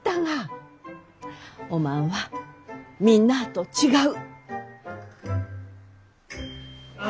おまんはみんなあと違う。